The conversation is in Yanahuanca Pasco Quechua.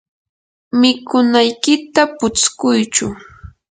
mikunaykita putskuychu.